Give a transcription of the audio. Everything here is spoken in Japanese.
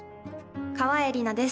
川栄李奈です。